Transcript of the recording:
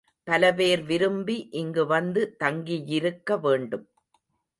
பலபேர் விரும்பி இங்கு வந்து தங்கியிருக்க வேண்டும்.